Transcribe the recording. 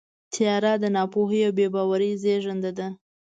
تیاره د ناپوهۍ او بېباورۍ زېږنده ده.